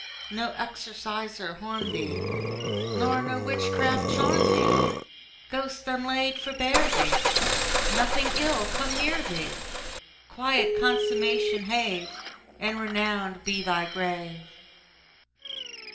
No exorciser harm thee! Nor no witchcraft charm thee! Ghost unlaid forbear thee! Nothing ill come near thee! Quiet consummation have; And renowned be thy grave!